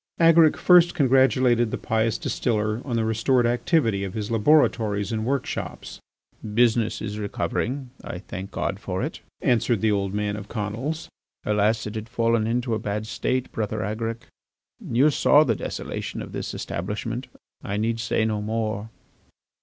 Agaric first congratulated the pious distiller on the restored activity of his laboratories and workshops. "Business is recovering. I thank God for it," answered the old man of Conils. "Alas! it had fallen into a bad state, Brother Agaric. You saw the desolation of this establishment. I need say no more."